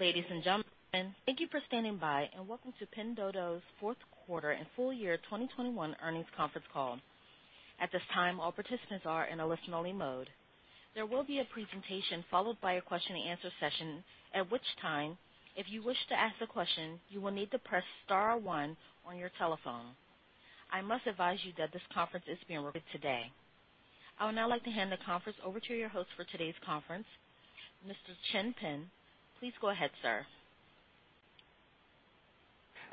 Ladies and gentlemen, thank you for standing by, and welcome to Pinduoduo's fourth quarter and full year 2021 earnings conference call. At this time, all participants are in a listen-only mode. There will be a presentation followed by a question and answer session, at which time, if you wish to ask the question, you will need to press star one on your telephone. I must advise you that this conference is being recorded today. I would now like to hand the conference over to your host for today's conference, Mr. Chong Fung. Please go ahead, sir.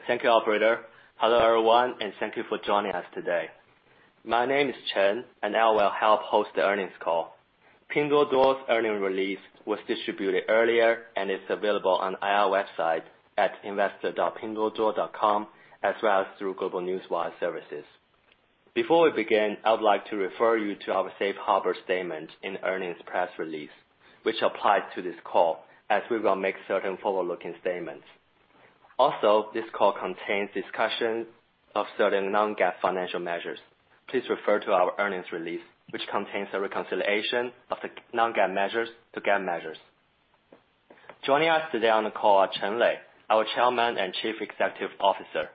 Thank you, operator. Hello, everyone, and thank you for joining us today. My name is Chen, and I will help host the earnings call. Pinduoduo's earnings release was distributed earlier and is available on our website at investor.pinduoduo.com, as well as through GlobeNewswire services. Before we begin, I would like to refer you to our safe harbor statement in earnings press release, which applied to this call, as we will make certain forward-looking statements. Also, this call contains discussion of certain non-GAAP financial measures. Please refer to our earnings release, which contains a reconciliation of the non-GAAP measures to GAAP measures. Joining us today on the call are Chen Lei, our Chairman and Chief Executive Officer,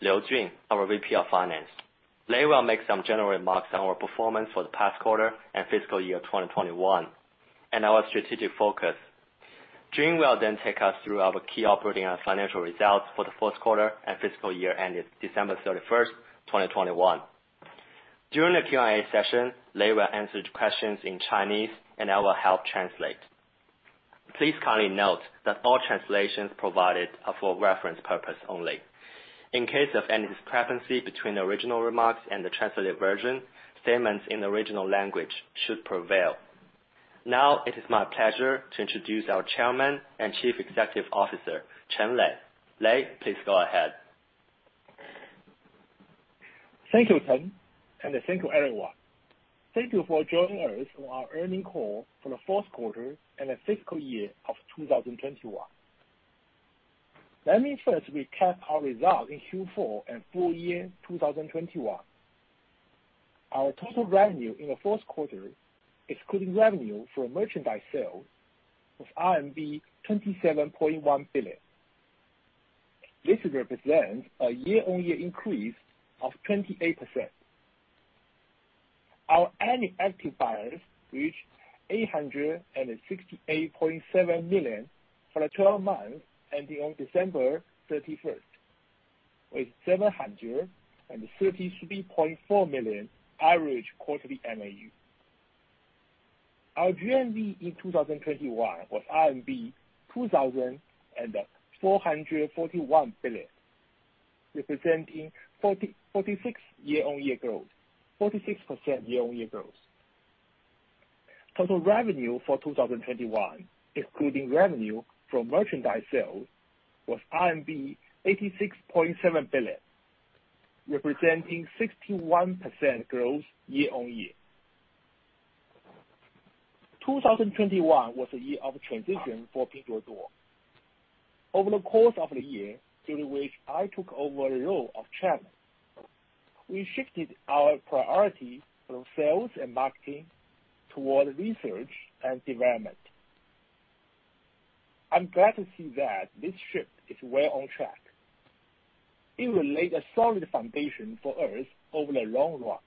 Liu Jun, our VP of Finance. Lei will make some general remarks on our performance for the past quarter and fiscal year 2021, and our strategic focus. Jun will then take us through our key operating and financial results for the fourth quarter and fiscal year ending December 31, 2021. During the Q&A session, Lei will answer the questions in Chinese and I will help translate. Please kindly note that all translations provided are for reference purpose only. In case of any discrepancy between the original remarks and the translated version, statements in the original language should prevail. Now it is my pleasure to introduce our Chairman and Chief Executive Officer, Chen Lei. Lei, please go ahead. Thank you, Chen, and thank you, everyone. Thank you for joining us on our earnings call for the fourth quarter and the fiscal year of 2021. Let me first recap our results in Q4 and full year 2021. Our total revenue in the fourth quarter, excluding revenue for merchandise sales, was RMB 27.1 billion. This represents a year-on-year increase of 28%. Our annual active buyers reached 868.7 million for the 12 months ending on December 31, with 733.4 million average quarterly MAU. Our GMV in 2021 was RMB 2,441 billion, representing 46% year-on-year growth. Total revenue for 2021, excluding revenue from merchandise sales, was RMB 86.7 billion, representing 61% growth year-on-year. 2021 was a year of transition for Pinduoduo. Over the course of the year, during which I took over the role of chairman, we shifted our priority from sales and marketing toward research and development. I'm glad to see that this shift is well on track. It will lay a solid foundation for us over the long run.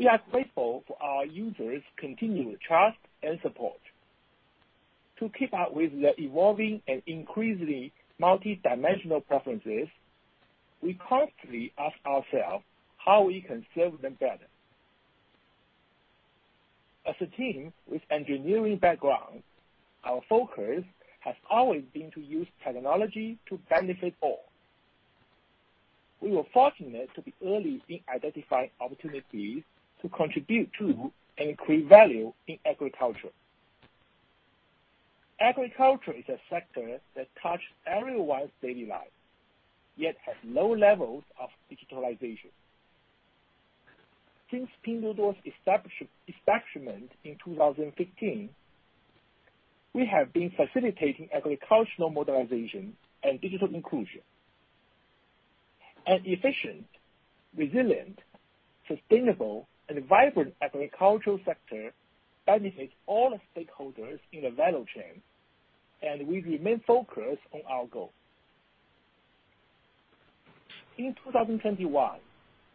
We are grateful for our users' continued trust and support. To keep up with their evolving and increasingly multidimensional preferences, we constantly ask ourselves how we can serve them better. As a team with engineering background, our focus has always been to use technology to benefit all. We were fortunate to be early in identifying opportunities to contribute to and create value in agriculture. Agriculture is a sector that touches everyone's daily life, yet has low levels of digitalization. Since Pinduoduo's establishment in 2015, we have been facilitating agricultural modernization and digital inclusion. An efficient, resilient, sustainable, and vibrant agricultural sector benefits all the stakeholders in the value chain, and we remain focused on our goal. In 2021,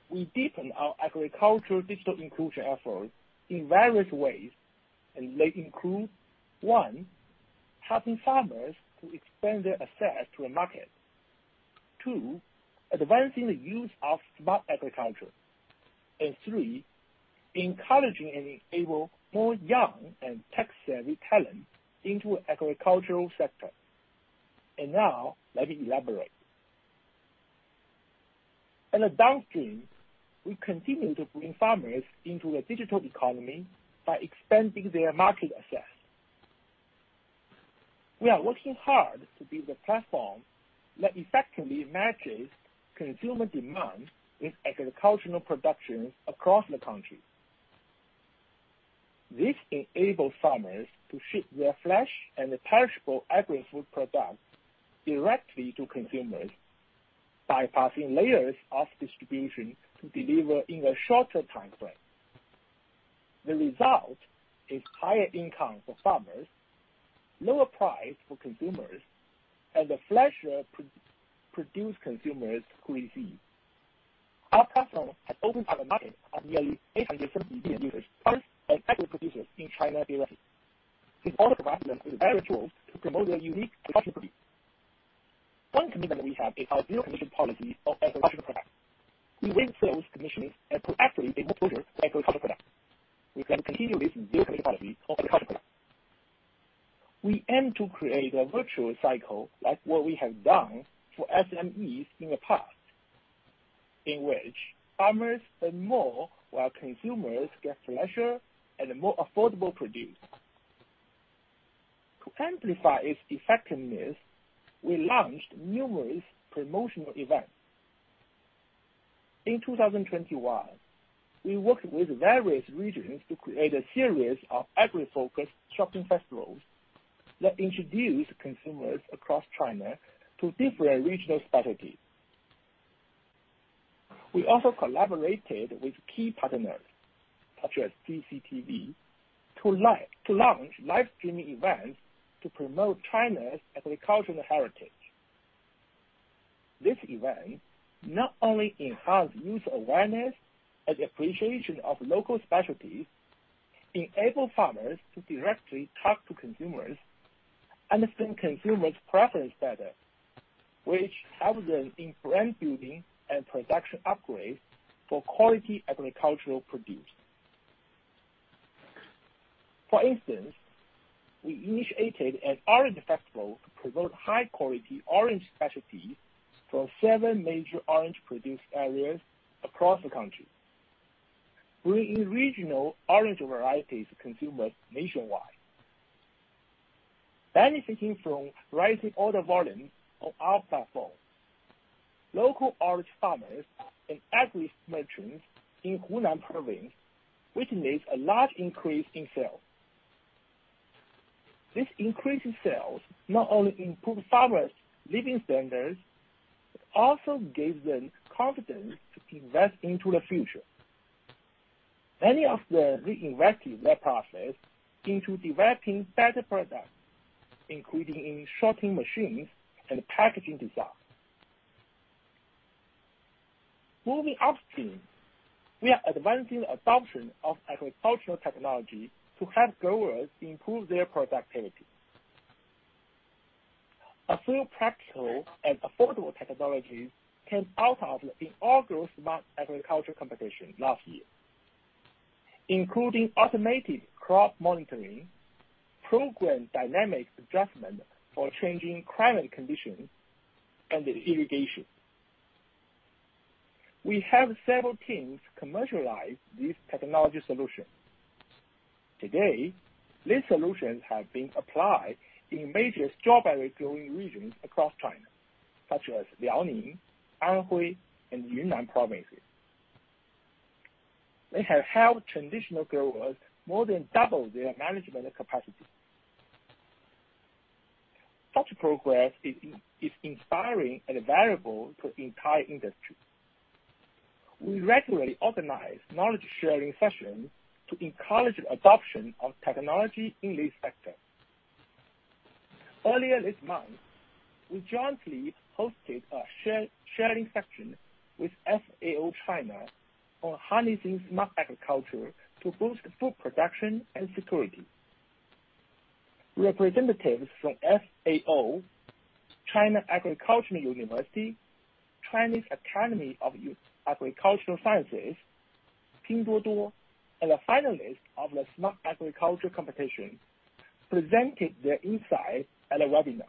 we deepened our agricultural digital inclusion efforts in various ways, and they include, one, helping farmers to expand their access to the market. Two, advancing the use of smart agriculture. Three, encouraging and enable more young and tech-savvy talent into agricultural sector. Now let me elaborate. In the downstream, we continue to bring farmers into a digital economy by expanding their market access. We are working hard to be the platform that effectively matches consumer demand with agricultural production across the country. This enables farmers to ship their fresh and perishable agri-food products directly to consumers, bypassing layers of distribution to deliver in a shorter timeframe. The result is higher income for farmers, lower prices for consumers, and the fresher produce consumers receive. Our platform has opened up a market of nearly 850 million users, buyers, and agri-producers in China directly. In order to provide them with a better tool to promote their unique production capabilities. One commitment we have is our zero commission policy of agricultural products. We waive sales commissions and proactively promote orders for agricultural products. We plan to continue this zero commission policy for agricultural products. We aim to create a virtuous cycle like what we have done for SMEs in the past, in which farmers earn more while consumers get fresher and more affordable produce. To amplify its effectiveness, we launched numerous promotional events. In 2021, we worked with various regions to create a series of agri-focused shopping festivals that introduced consumers across China to different regional specialties. We also collaborated with key partners, such as CCTV, to launch live streaming events to promote China's agricultural heritage. This event not only enhanced user awareness and appreciation of local specialties, enabled farmers to directly talk to consumers, understand consumers' preference better, which helped them in brand building and production upgrades for quality agricultural produce. For instance, we initiated an orange festival to promote high-quality orange specialties from 7 major orange produce areas across the country, bringing regional orange varieties to consumers nationwide. Benefiting from rising order volumes on our platform, local orange farmers and agri-enterprises in Hunan Province witnessed a large increase in sales. This increase in sales not only improved farmers' living standards, but also gave them confidence to invest into the future. Many of them reinvested their profits into developing better products, including in sorting machines and packaging design. Moving upstream, we are advancing adoption of agricultural technology to help growers improve their productivity. A few practical and affordable technologies came out of the inaugural Smart Agriculture Competition last year, including automated crop monitoring, program dynamics adjustment for changing climate conditions, and irrigation. We have several teams commercialize these technology solutions. Today, these solutions have been applied in major strawberry growing regions across China, such as Liaoning, Anhui, and Yunnan provinces. They have helped traditional growers more than double their management capacity. Such progress is inspiring and valuable to entire industry. We regularly organize knowledge-sharing sessions to encourage adoption of technology in this sector. Earlier this month, we jointly hosted a share-sharing session with FAO China on harnessing smart agriculture to boost food production and security. Representatives from FAO, China Agricultural University, Chinese Academy of Agricultural Sciences, Pinduoduo, and the finalists of the Smart Agriculture Competition presented their insights at a webinar.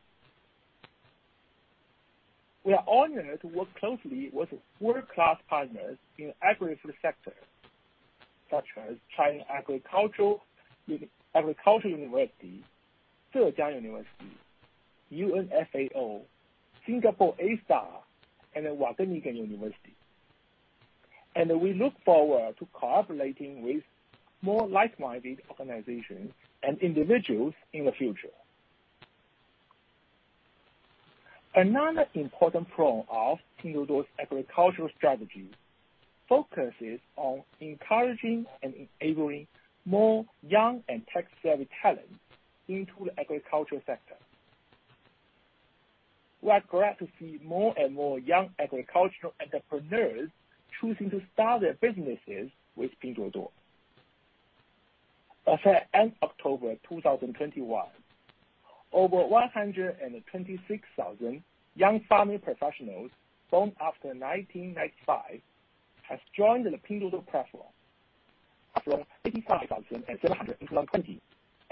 We are honored to work closely with world-class partners in agri-food sector, such as China Agricultural University, Zhejiang University, UN FAO, Singapore A*STAR, and Wageningen University. We look forward to cooperating with more like-minded organizations and individuals in the future. Another important prong of Pinduoduo's agricultural strategy focuses on encouraging and enabling more young and tech-savvy talent into the agricultural sector. We are glad to see more and more young agricultural entrepreneurs choosing to start their businesses with Pinduoduo. As at end October 2021, over 126,000 young farming professionals born after 1995 have joined the Pinduoduo platform, from 85,700 in 2020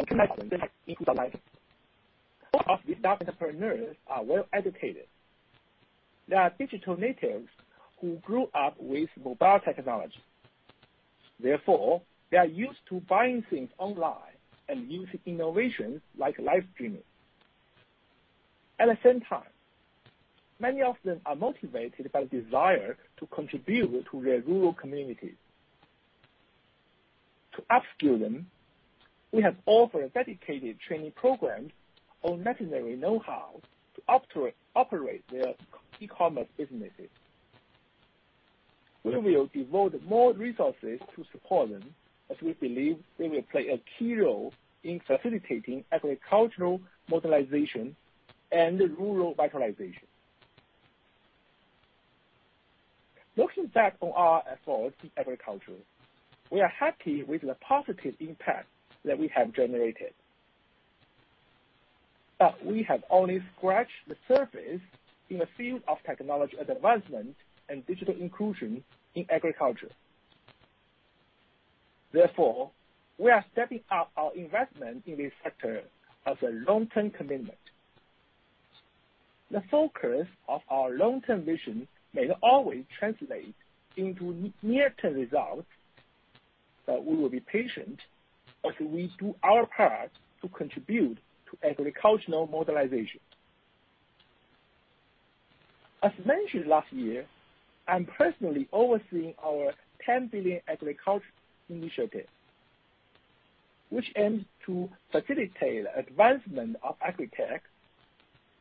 to 910 in 2021. Most of these young entrepreneurs are well-educated. They are digital natives who grew up with mobile technology. Therefore, they are used to buying things online and using innovations like live streaming. At the same time, many of them are motivated by the desire to contribute to their rural communities. To upskill them, we have offered dedicated training programs on necessary knowhow to operate their e-commerce businesses. We will devote more resources to support them, as we believe they will play a key role in facilitating agricultural modernization and rural vitalization. Looking back on our efforts in agriculture, we are happy with the positive impact that we have generated. We have only scratched the surface in the field of technology advancement and digital inclusion in agriculture. Therefore, we are stepping up our investment in this sector as a long-term commitment. The focus of our long-term vision may not always translate into near-term results, but we will be patient as we do our part to contribute to agricultural modernization. As mentioned last year, I am personally overseeing our 10 Billion Agriculture Initiative, which aims to facilitate advancement of agri tech,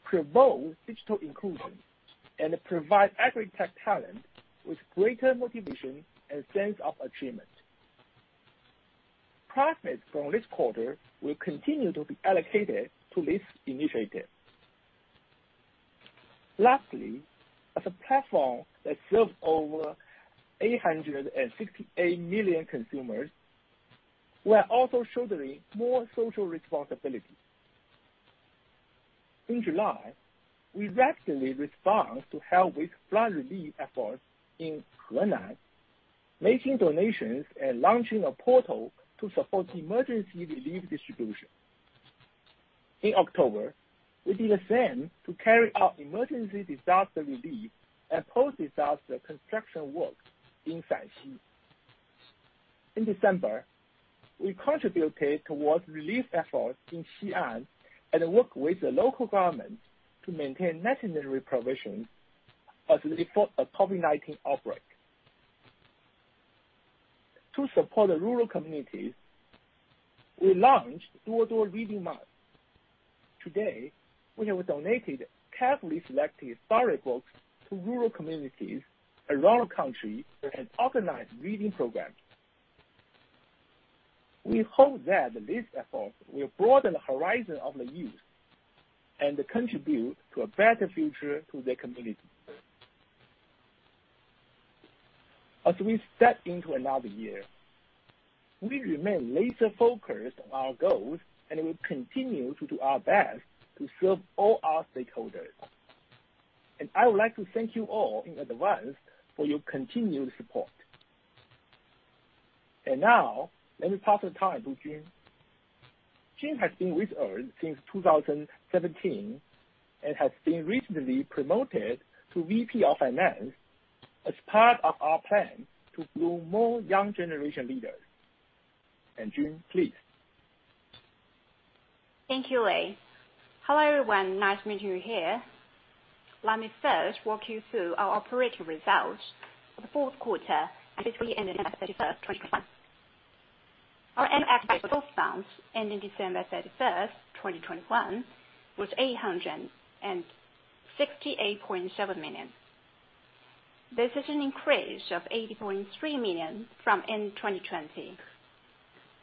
promote digital inclusion, and provide agri tech talent with greater motivation and sense of achievement. Profits from this quarter will continue to be allocated to this initiative. Lastly, as a platform that serves over 868 million consumers, we are also shouldering more social responsibility. In July, we rapidly respond to help with flood relief efforts in Henan, making donations and launching a portal to support emergency relief distribution. In October, we did the same to carry out emergency disaster relief and post-disaster construction work in Shanxi. In December, we contributed towards relief efforts in Xi'an and worked with the local government to maintain necessary provisions as they fought a COVID-19 outbreak. To support the rural communities, we launched door-to-door reading month. Today, we have donated carefully selected storybooks to rural communities around the country and organized reading programs. We hope that these efforts will broaden the horizon of the youth and contribute to a better future to their community. As we step into another year, we remain laser focused on our goals and we continue to do our best to serve all our stakeholders. I would like to thank you all in advance for your continued support. Now, let me pass the mic to Jun Liu. Jun Liu has been with us since 2017, and has been recently promoted to VP of Finance as part of our plan to grow more young generation leaders. Jun Liu, please. Thank you, Lei. Hello, everyone. Nice meeting you here. Let me first walk you through our operating results for the fourth quarter and basically ending December 31, 2021. Our MAU for the twelve months ending December 31, 2021 was 868.7 million. This is an increase of 80.3 million from end 2020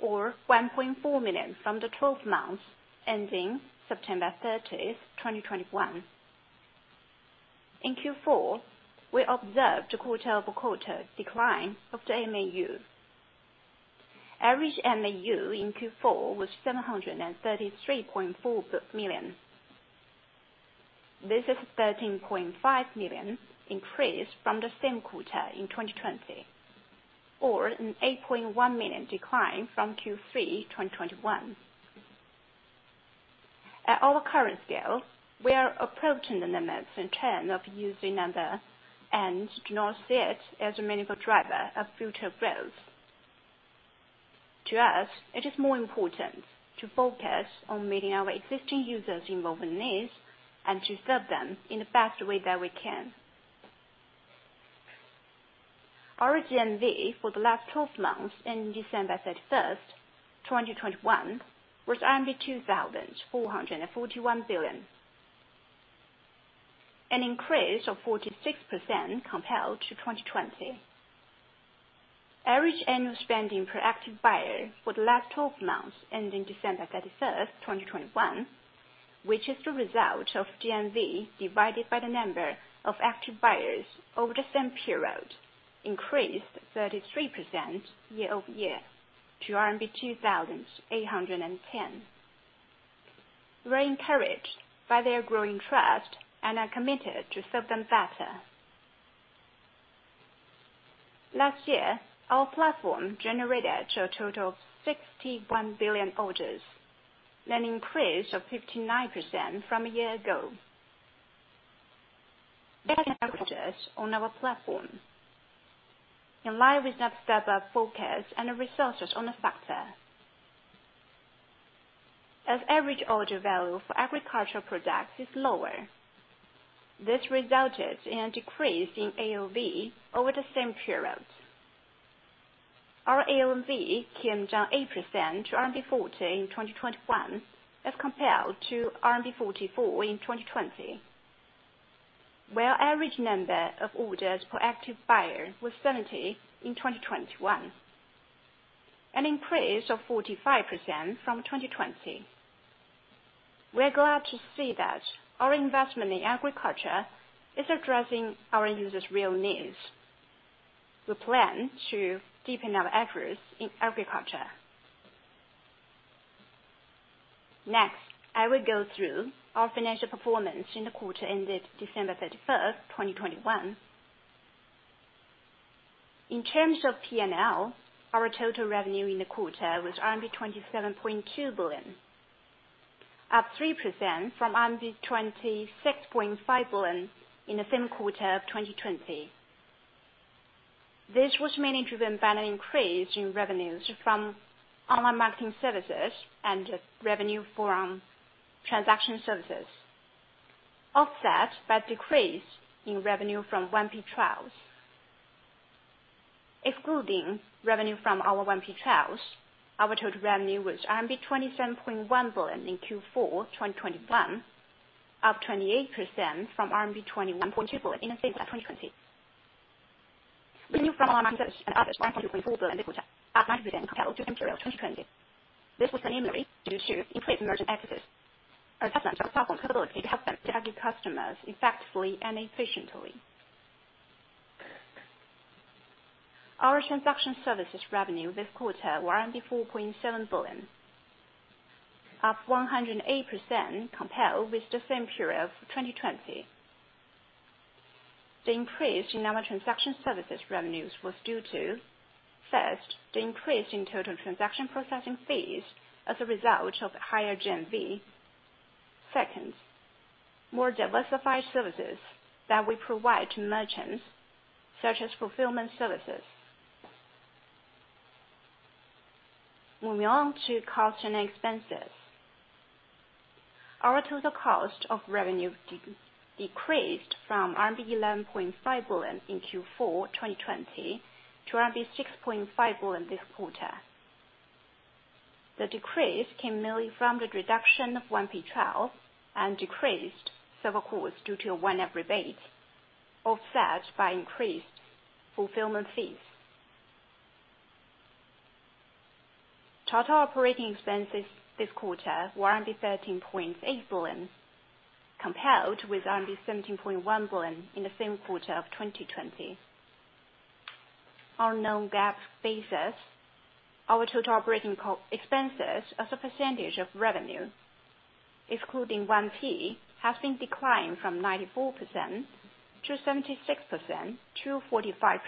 or 1.4 million from the twelve months ending September 30, 2021. In Q4, we observed a quarter-over-quarter decline of the MAU. Average MAU in Q4 was 733.4 million. This is a 13.5 million increase from the same quarter in 2020 or an 8.1 million decline from Q3 2021. At our current scale, we are approaching the limits in term of user number and do not see it as a meaningful driver of future growth. To us, it is more important to focus on meeting our existing users evolving needs and to serve them in the best way that we can. Our GMV for the last twelve months ending December 31, 2021 was RMB 2,441 billion, an increase of 46% compared to 2020. Average annual spending per active buyer for the last twelve months ending December 31, 2021, which is the result of GMV divided by the number of active buyers over the same period, increased 33% year over year to RMB 2,810. We are encouraged by their growing trust and are committed to serve them better. Last year, our platform generated a total of 61 billion orders, an increase of 59% from a year ago. In line with that step up focus and the resources on agriculture, as average order value for agricultural products is lower. This resulted in a decrease in AOV over the same period. Our AOV came down 8% to RMB 40 in 2021 as compared to RMB 44 in 2020. The average number of orders per active buyer was 70 in 2021, an increase of 45% from 2020. We're glad to see that our investment in agriculture is addressing our users' real needs. We plan to deepen our efforts in agriculture. Next, I will go through our financial performance in the quarter ended December 31, 2021. In terms of P&L, our total revenue in the quarter was RMB 27.2 billion, up 3% from RMB 26.5 billion in the same quarter of 2020. This was mainly driven by an increase in revenues from online marketing services and revenue from transaction services, offset by decrease in revenue from 1P trials. Excluding revenue from our 1P trials, our total revenue was RMB 27.1 billion in Q4 2021, up 28% from RMB 21.2 billion in the same quarter 2020. Revenue from online services and others, RMB 24 billion this quarter, up 9% compared to same quarter of 2020. This was primarily due to increased merchant activity, a testament to our platform capability to help them target customers effectively and efficiently. Our transaction services revenue this quarter were 4.7 billion, up 108% compared with the same period of 2020. The increase in our transaction services revenues was due to, first, the increase in total transaction processing fees as a result of higher GMV. Second, more diversified services that we provide to merchants, such as fulfillment services. Moving on to cost and expenses. Our total cost of revenue decreased from RMB 11.5 billion in Q4 2020 to RMB 6.5 billion this quarter. The decrease came mainly from the reduction of 1P trials and decreased server costs due to a one-off rebate, offset by increased fulfillment fees. Total operating expenses this quarter were RMB 13.8 billion, compared with RMB 17.1 billion in the same quarter of 2020. On a non-GAAP basis, our total operating expenses as a percentage of revenue, excluding 1P, has been declined from 94% to 76% to 45%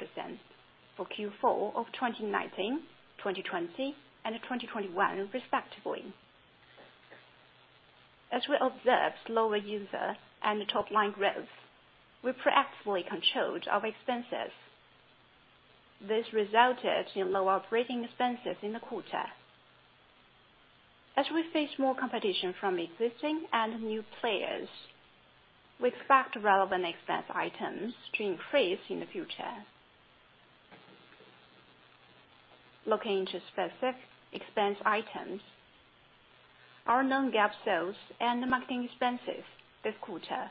for Q4 of 2019, 2020, and 2021 respectively. As we observed lower user and top line growth, we proactively controlled our expenses. This resulted in lower operating expenses in the quarter. As we face more competition from existing and new players, we expect relevant expense items to increase in the future. Looking at specific expense items. Our non-GAAP sales and marketing expenses this quarter,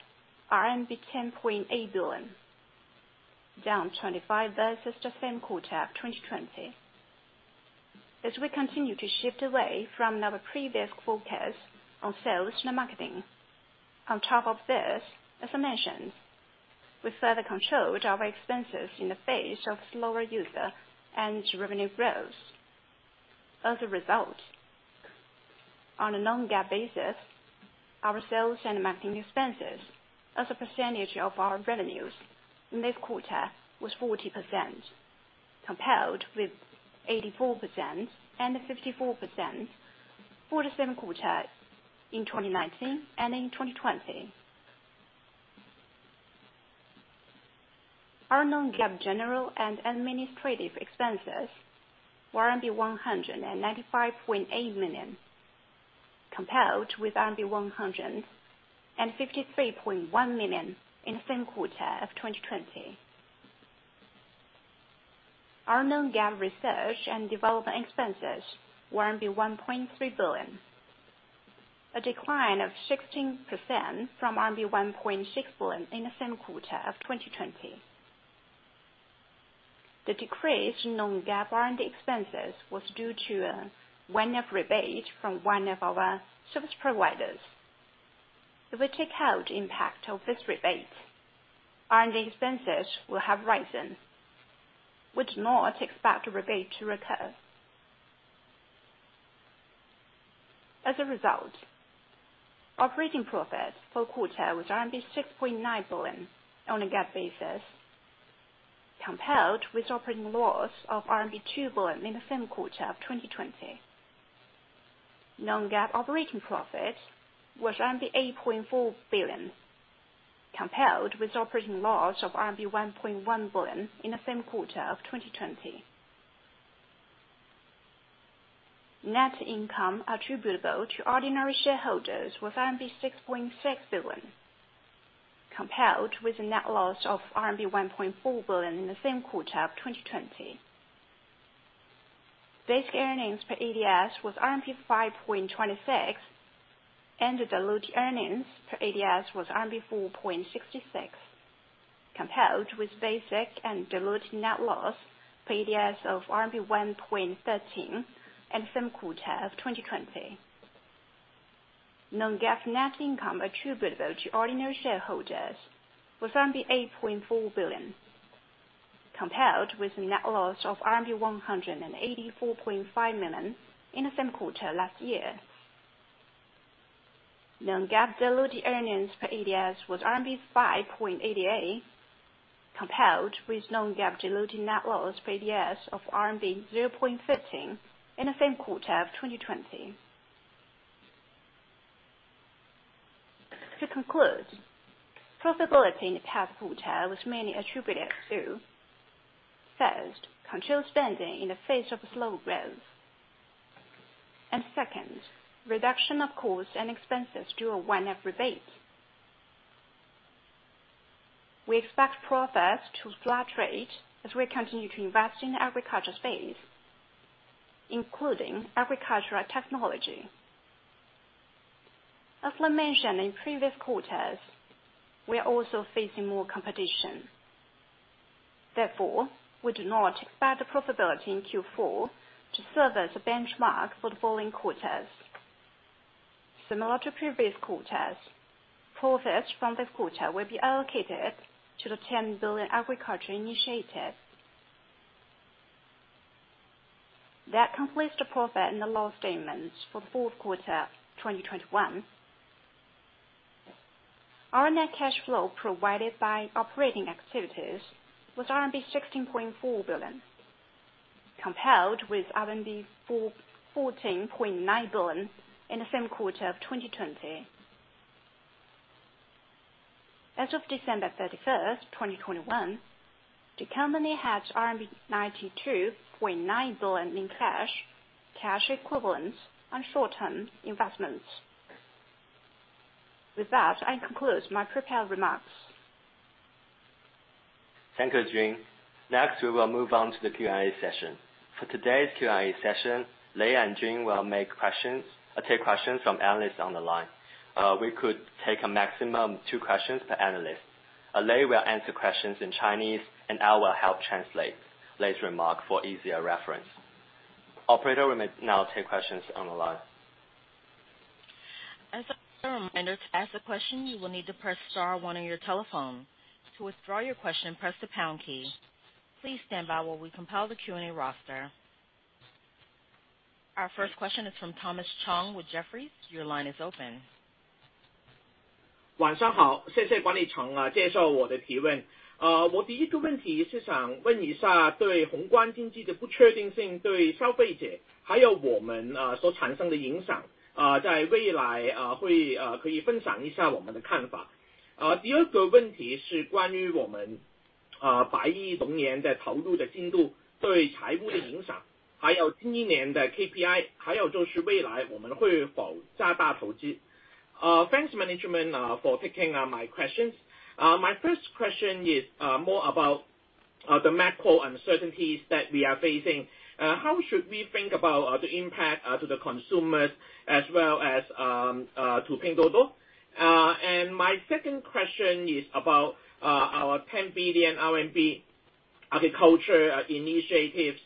10.8 billion RMB, down 25% versus the same quarter of 2020. As we continue to shift away from our previous focus on sales and marketing. On top of this, as I mentioned, we further controlled our expenses in the face of slower user and revenue growth. As a result, on a non-GAAP basis, our sales and marketing expenses as a percentage of our revenues in this quarter was 40%, compared with 84% and 54% for the same quarter in 2019 and in 2020. Our non-GAAP general and administrative expenses were RMB 195.8 million, compared with RMB 153.1 million in the same quarter of 2020. Our non-GAAP research and development expenses were 1.3 billion, a decline of 16% from RMB 1.6 billion in the same quarter of 2020. The decrease in non-GAAP R&D expenses was due to a one-off rebate from one of our service providers. If we take out impact of this rebate, R&D expenses will have risen. We do not expect a rebate to recur. As a result, operating profit for the quarter was RMB 6.9 billion on a GAAP basis, compared with operating loss of RMB 2 billion in the same quarter of 2020. Non-GAAP operating profit was RMB 8.4 billion, compared with operating loss of RMB 1.1 billion in the same quarter of 2020. Net income attributable to ordinary shareholders was RMB 6.6 billion, compared with a net loss of RMB 1.4 billion in the same quarter of 2020. Basic earnings per ADS was RMB 5.26, and the diluted earnings per ADS was RMB 4.66, compared with basic and diluted net loss per ADS of RMB 1.13 in the same quarter of 2020. non-GAAP net income attributable to ordinary shareholders was RMB 8.4 billion, compared with a net loss of RMB 184.5 million in the same quarter last year. non-GAAP diluted earnings per ADS was RMB 5.88, compared with non-GAAP diluted net loss per ADS of RMB 0.15 in the same quarter of 2020. To conclude, profitability in the past quarter was mainly attributed to, first, controlled spending in the face of slow growth. second, reduction of costs and expenses due to one-off rebates. We expect profits to fluctuate as we continue to invest in the agriculture space, including agricultural technology. As I mentioned in previous quarters, we are also facing more competition. Therefore, we do not expect the profitability in Q4 to serve as a benchmark for the following quarters. Similar to previous quarters, profits from this quarter will be allocated to the 10 Billion Agriculture Initiative. That completes the profit and loss statements for the fourth quarter of 2021. Our net cash flow provided by operating activities was RMB 16.4 billion, compared with RMB 14.9 billion in the same quarter of 2020. As of December 31, 2021, the company has 92.9 billion in cash equivalents, and short-term investments. With that, I conclude my prepared remarks. Thank you, June. Next, we will move on to the Q&A session. For today's Q&A session, Lei and June will take questions from analysts on the line. We could take a maximum of two questions per analyst. Lei will answer questions in Chinese, and I will help translate Lei's remarks for easier reference. Operator will now take questions on the line. As a reminder, to ask a question, you will need to press star one on your telephone. To withdraw your question, press the pound key. Please stand by while we compile the Q&A roster. Our first question is from Thomas Chong with Jefferies. Your line is open. Thanks, management, for taking my questions. My first question is more about the macro uncertainties that we are facing. How should we think about the impact to the consumers as well as to Pinduoduo? My second question is about our 10 billion RMB agriculture initiatives.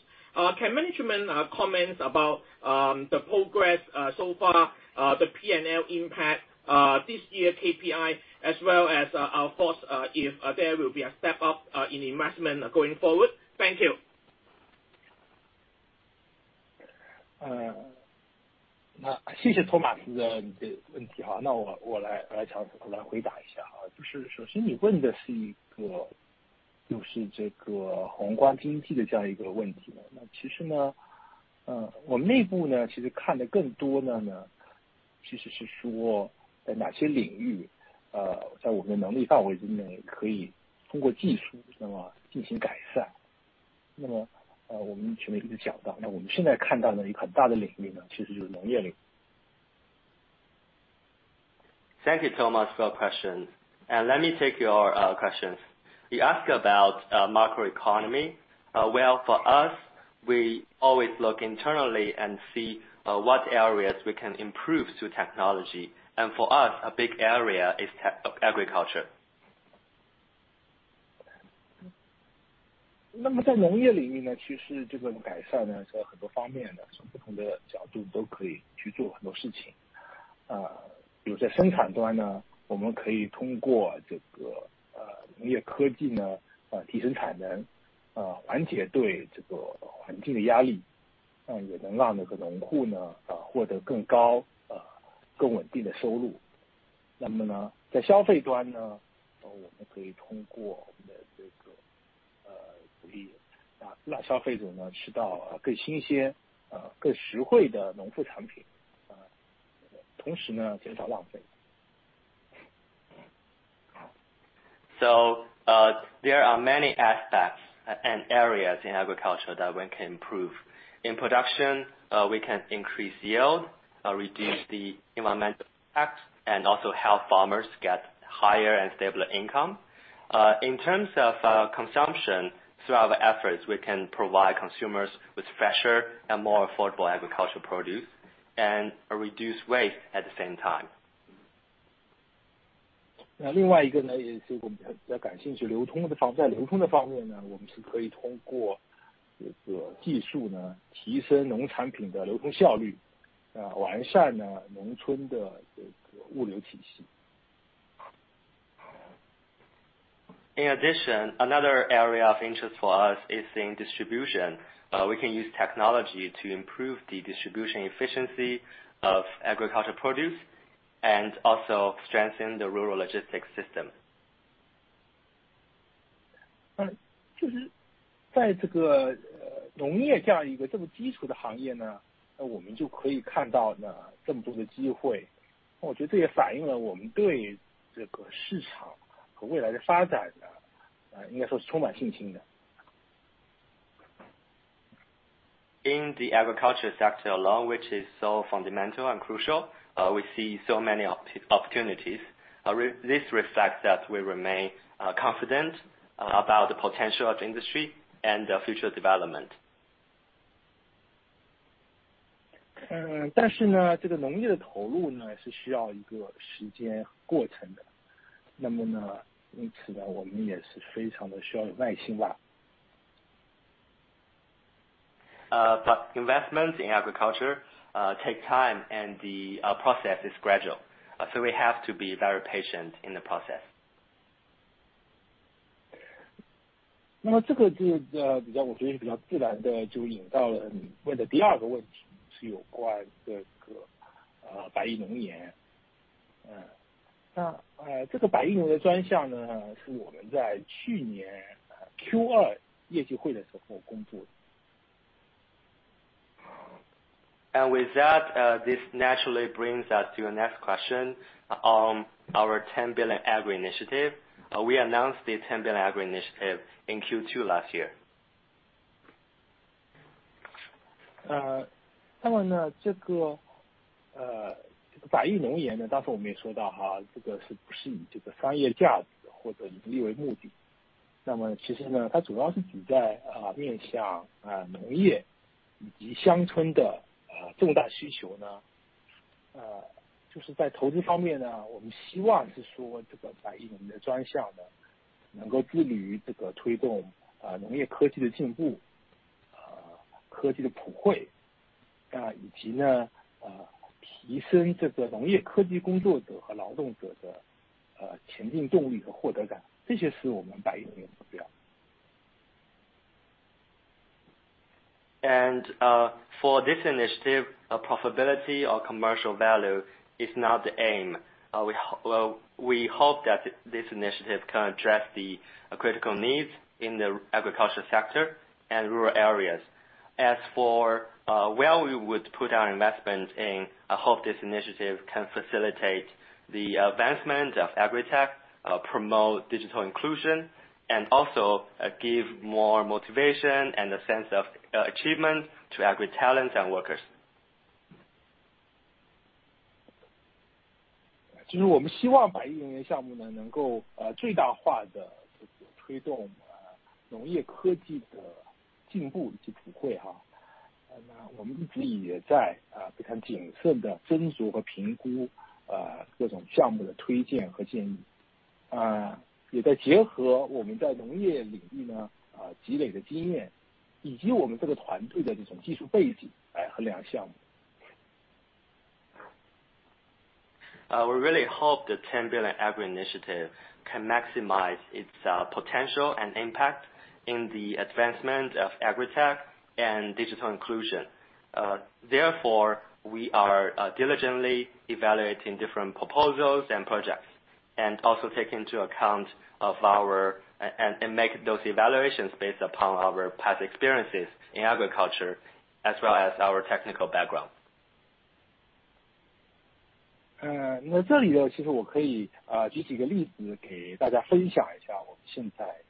Can management comment about the progress so far, the P&L impact, this year KPI, as well as of course if there will be a step up in investment going forward. Thank you. Thank you, Thomas, for your questions. Let me take your questions. You ask about macro economy. Well, for us, we always look internally and see what areas we can improve through technology. For us, a big area is agriculture. 让消费者吃到更新鲜、更实惠的农副产品，同时减少浪费。There are many aspects and areas in agriculture that we can improve. In production, we can increase yield, reduce the environmental impact and also help farmers get higher and stable income. In terms of consumption, through our efforts, we can provide consumers with fresher and more affordable agricultural produce and reduce waste at the same time. 另外一个呢，也是我们比较感兴趣的，在流通的方面呢，我们是可以通过这个技术呢，提升农产品的流通效率，完善了农村的这个物流体系。In addition, another area of interest for us is in distribution. We can use technology to improve the distribution efficiency of agricultural produce and also strengthen the rural logistics system. 就是在这个农业这样一个这么基础的行业呢，我们就可以看到呢，这么多的机会，我觉得这也反映了我们对这个市场和未来的发展呢，应该说是充满信心的。In the agriculture sector alone, which is so fundamental and crucial, we see so many opportunities. This reflects that we remain confident about the potential of the industry and future development. 但是，这个农业的投入，是需要一个时间过程的。因此，我们也是非常地需要有耐心吧。Investment in agriculture take time and the process is gradual, so we have to be very patient in the process. 那么这个就是比较，我觉得是比较自然地就引到了你问的第二个问题，是有关这个百亿农业。那，这个百亿农业专项呢，是我们在去年Q2业绩会的时候公布的。With that, this naturally brings us to your next question on our 10 Billion Agriculture Initiative. We announced the 10 Billion Agriculture Initiative in Q2 last year. For this initiative, profitability or commercial value is not the aim. Well, we hope that this initiative can address the critical needs in the agriculture sector and rural areas. As for where we would put our investment in, I hope this initiative can facilitate the advancement of AgriTech, promote digital inclusion and also give more motivation and a sense of achievement to Agri talents and workers. 其实我们希望百亿农业项目能够最大化地推动农业科技的进步以及普惠。那我们一直也在非常谨慎地甄选和评估各种项目的推荐和建议，也在结合我们在农业领域积累的经验，以及我们这个团队的这种技术背景来衡量项目。We really hope the 10 Billion Agriculture Initiative can maximize its potential and impact in the advancement of AgriTech and digital inclusion. Therefore, we are diligently evaluating different proposals and projects, and make those evaluations based upon our past experiences in agriculture as well as our technical background. 那这里呢，其实我可以举几个例子给大家分享一下我们现在在关注的领域。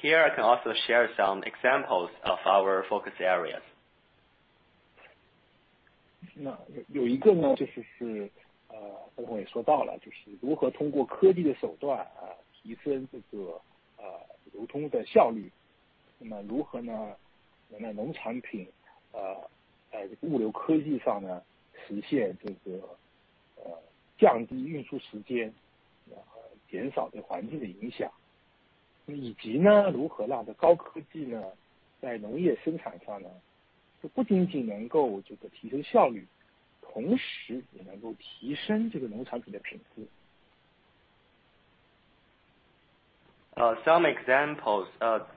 Here I can also share some examples of our focus areas. 有一个呢，就是，Lei也说到了，就是如何通过科技的手段提升这个流通的效率，那么如何让农产品在物流科技上呢，实现这个降低运输时间，然后减少对环境的影响。以及呢，如何让高科技在农业生产上呢，就不仅仅能够提升效率，同时也能够提升这个农产品的品质。Some examples,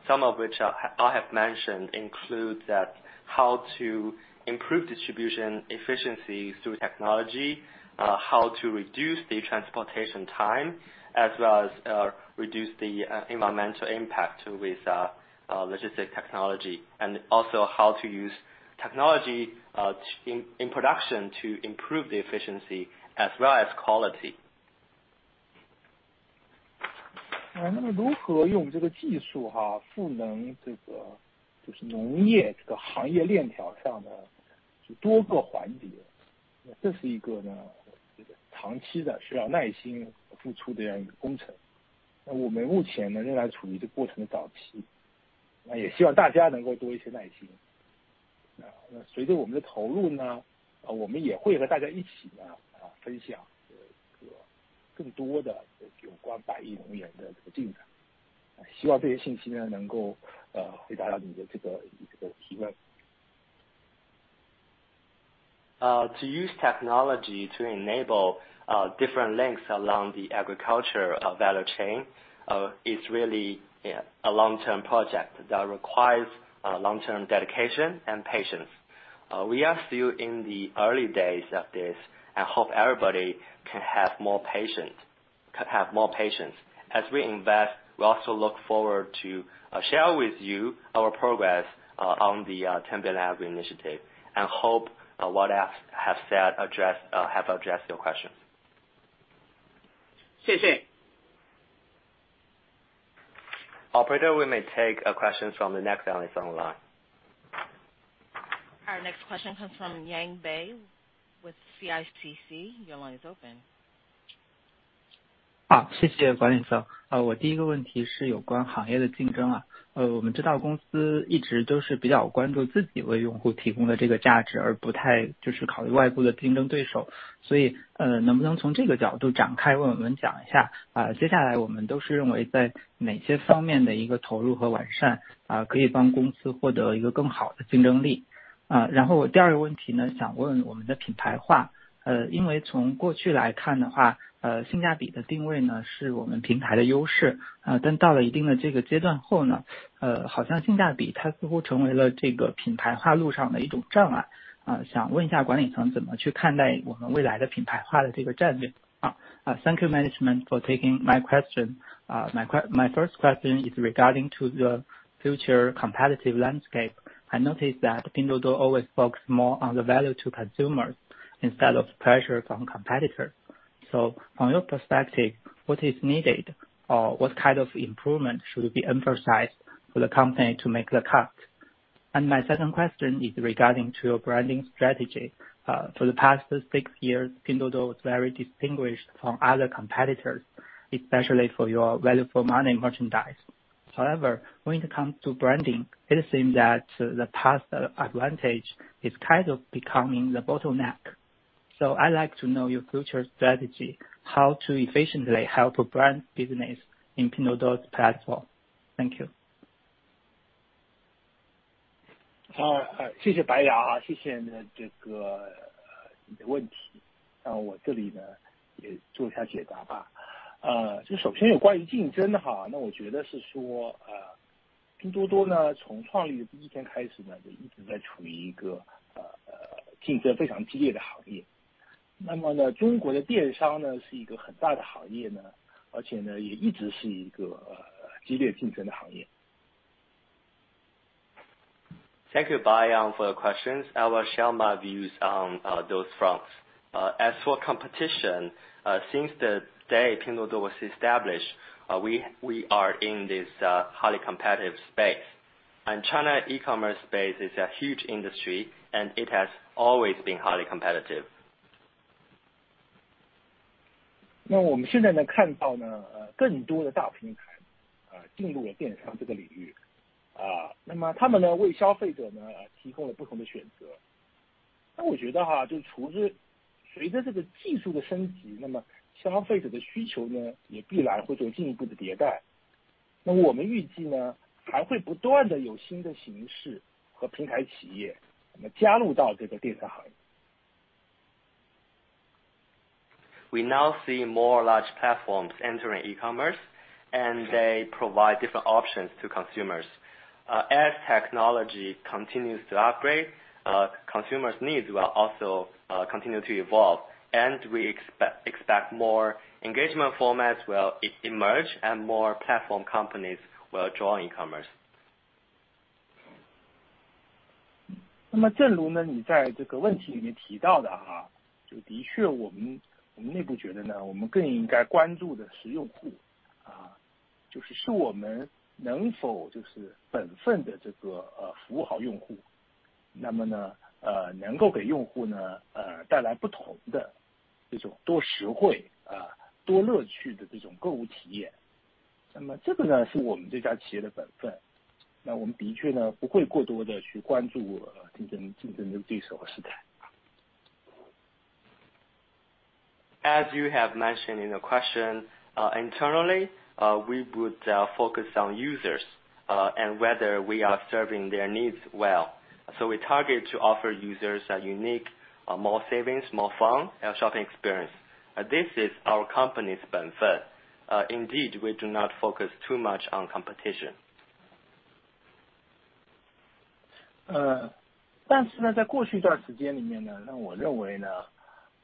some of which I have mentioned include that how to improve distribution efficiency through technology, how to reduce the transportation time, as well as reduce the environmental impact with logistic technology, and also how to use technology in production to improve the efficiency as well as quality. 那么如何用这个技术，赋能这个就是农业这个行业链条上的多个环节，这是一个，这个长期的需要耐心付出的这样一个工程。那我们目前仍然处于这个过程的早期，那也希望大家能够多一些耐心。那随着我们的投入，我们也会和大家一起，分享这个更多的有关百亿农业的进展。希望这些信息能够回答到你的这个提问。To use technology to enable different links along the agriculture value chain is really a long term project that requires long term dedication and patience. We are still in the early days of this. I hope everybody can have more patience as we invest. We also look forward to share with you our progress on the 10 Billion Agriculture Initiative, and hope what I have said has addressed your question. 谢谢。Operator, we may take a question from the next one on the phone line. Our next question comes from Yang Bai with CICC. Your line is open. 好，谢谢管理层。我第一个问题是有关行业的竞争啊。我们知道公司一直都是比较关注自己为用户提供的这个价值，而不太就是考虑外部的竞争对手。所以能不能从这个角度展开为我们讲一下，接下来我们都是认为在哪些方面的一个投入和完善可以帮公司获得一个更好的竞争力。然后我第二个问题呢，想问我们的品牌化，因为从过去来看的话，性价比的定位呢，是我们平台的优势。但到了一定的这个阶段后呢，好像性价比它似乎成为了这个品牌化路上的一种障碍。想问一下管理层怎么去看待我们未来的品牌化的这个战略。Thank you management for taking my question. My first question is regarding to the future competitive landscape. I notice that Pinduoduo always focus more on the value to consumers instead of pressure from competitor. So from your perspective, what is needed or what kind of improvement should be emphasized for the company to make the cut? My second question is regarding to your branding strategy. For the past six years, Pinduoduo was very distinguished from other competitors, especially for your value for money merchandise. However, when it comes to branding, it seems that the past advantage is kind of becoming the bottleneck. I'd like to know your future strategy, how to efficiently help brand business in Pinduoduo's platform. Thank you. 好，谢谢白杨，谢谢你的问题，我这里也做一下解答吧。首先有关于竞争的话，那我觉得是说，拼多多从创立的第一天开始，就一直在处于一个竞争非常激烈的行业。那么中国的电商，是一个很大的行业，而且也一直是一个激烈竞争的行业。Thank you Yang Bai for your question. I will share my views on those fronts. As for competition, since the day Pinduoduo was established, we are in this highly competitive space and China e-commerce space is a huge industry and it has always been highly competitive. We now see more large platforms entering e-commerce, and they provide different options to consumers. As technology continues to upgrade, consumers needs will also continue to evolve, and we expect more engagement formats will emerge and more platform companies will join e-commerce. As you have mentioned in your question internally, we would focus on users and whether we are serving their needs well. We target to offer users a unique more savings, more fun shopping experience. This is our company's benefit. Indeed we do not focus too much on competition.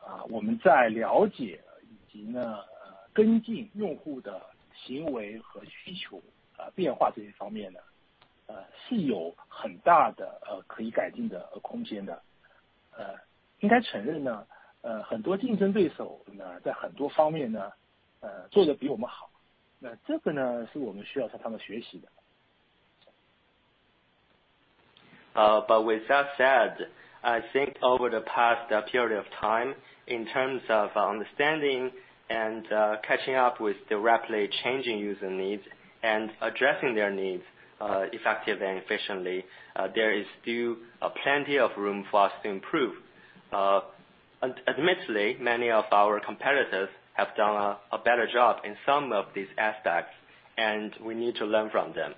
在过去一段时间里面，我认为我们在了解以及跟进用户的行为和需求变化这一方面，是有很大的可以改进的空间的。应该承认，很多竞争对手在很多方面做得比我们好，那这个是我们需要向他们学习的。With that said, I think over the past period of time in terms of understanding and catching up with directly changing user needs and addressing their needs effectively and efficiently, there is still plenty of room for us to improve. Admittedly, many of our competitors have done a better job in some of these aspects, and we need to learn from them.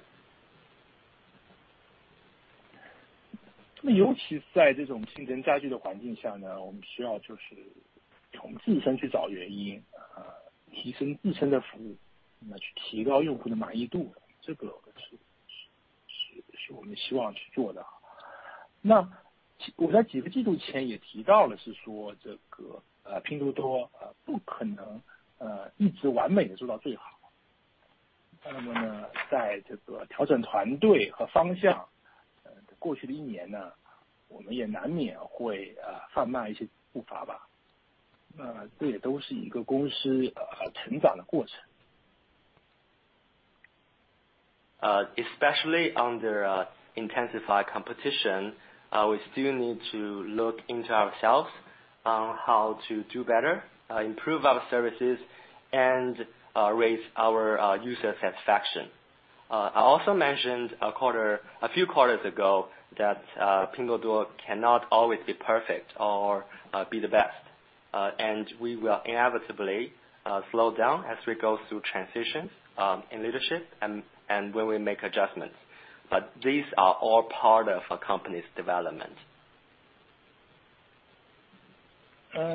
Especially under intensified competition, we still need to look into ourselves on how to do better, improve our services and raise our user satisfaction. I also mentioned a few quarters ago that 拼多多 cannot always be perfect or be the best, and we will inevitably slow down as we go through transition in leadership and when we make adjustments. These are all part of a company's development.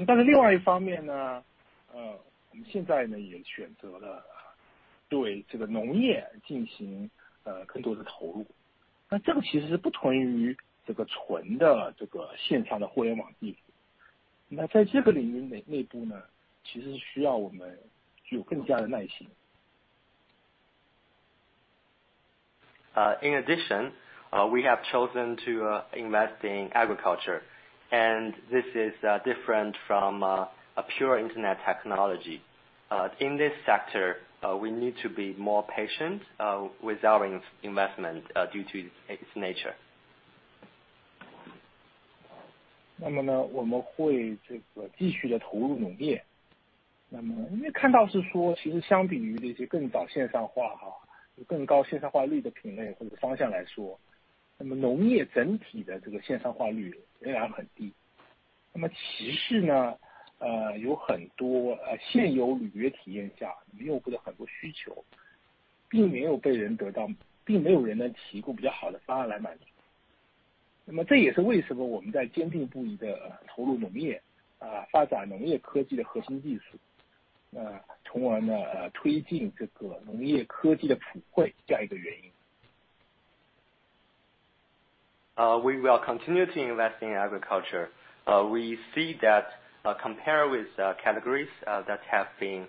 但是另外一方面呢，我们现在呢，也选择了对这个农业进行更多的投入，那这个其实是不同于这个纯的这个线上的互联网业务。那在这个领域内部呢，其实需要我们有更加的耐心。In addition, we have chosen to invest in agriculture and this is different from a pure internet technology. In this sector, we need to be more patient with our investment due to its nature. 那么，我们会继续地投入农业。因为看到，其实相比于那些更早线上化、更高线上化率的品类或者方向来说，农业整体的线上化率仍然很低。其实，有很多现有的体验下，用户的很多需求并没有被满足，并没有人能提供比较好的方案来满足。这也是为什么我们在坚定不移地投入农业、发展农业科技的核心技术，从而推进农业科技的普惠这样一个原因。We will continue to invest in agriculture. We see that compared with categories that have been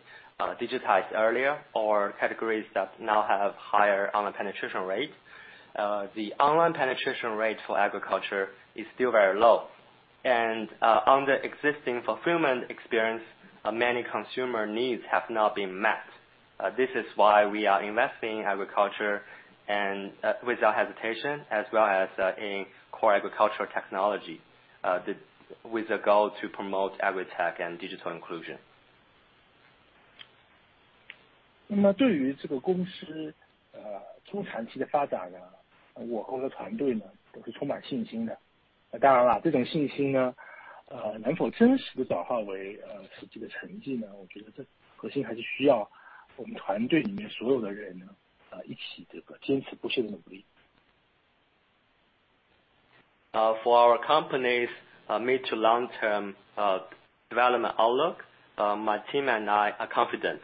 digitized earlier or categories that now have higher online penetration rate, the online penetration rate for agriculture is still very low, and on the existing fulfillment experience, many consumer needs have not been met. This is why we are investing in agriculture and with our investments as well as in core agricultural technology with the goal to promote AgriTech and digital inclusion. 那么对于这个公司中长期的发展，我和我的团队都是充满信心的。当然，这种信心能否真实地转化为实际的成绩，我觉得这核心还是需要我们团队里面所有的人一起坚持不懈的努力。For our company's mid to long term development outlook, my team and I are confident.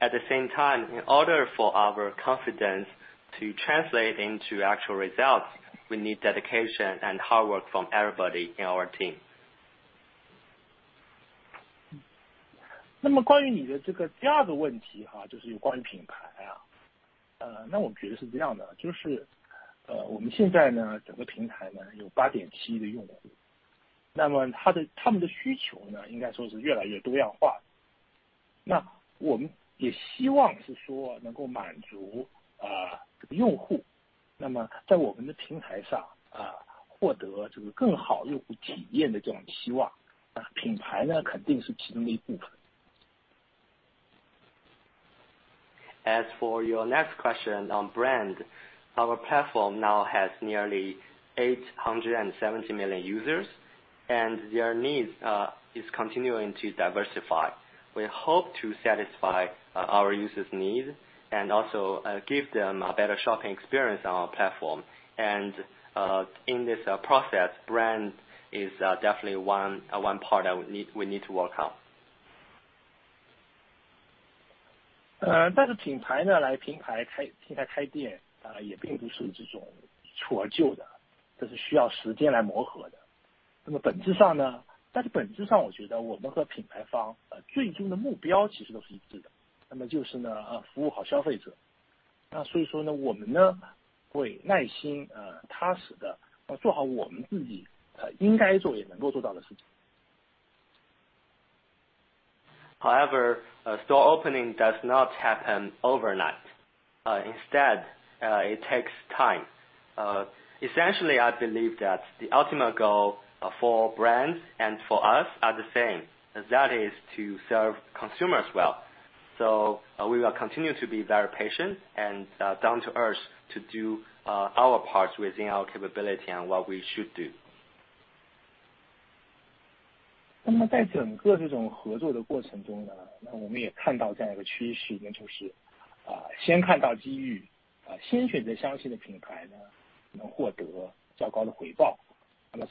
At the same time, in order for our confidence to translate into actual results, we need dedication and hard work from everybody in our team. 那么关于你的这个第二个问题，就是有关品牌，那我觉得是这样的，就是我们现在整个平台有8.7亿的用户，那么他们的需求应该说是越来越多样化，那我们也希望是说能够满足这个用户，那么在我们的平台上获得这个更好用户体验的这种希望，那品牌肯定是其中的一部分。As for your next question on brand, our platform now has nearly 870 million users. Their needs is continuing to diversify. We hope to satisfy our users needs and also give them a better shopping experience on our platform. In this process, brand is definitely one part that we need to work on. 但是品牌来平台开店，也并不是这种立竿见影的，这是需要时间来磨合的。本质上，我觉得我们和品牌方最终的目标其实都是一致的，那就是服务好消费者。所以说，我们会耐心、踏实地做好我们自己应该做也能够做到的事情。However, store opening does not happen overnight. Instead, it takes time. Essentially, I believe that the ultimate goal, for brands and for us are the same, and that is to serve consumers well. We will continue to be very patient and, down to earth to do, our part within our capability and what we should do. 在整个这种合作的过程中，我们也看到这样一个趋势，那就是先看到机遇、先选择相信的品牌，能获得较高的回报，从而带动和吸引了更多的品牌来了解和尝试。In